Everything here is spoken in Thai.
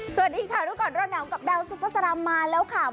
สวัสดีค่ะทุกคนร้อนหนัวกับดาวซุปเปอร์สารามมาแล้วค่ะ